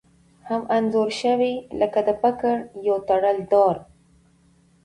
هم انځور شوي لکه د پګړیو تړل دود